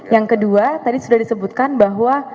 yang kedua tadi sudah disebutkan bahwa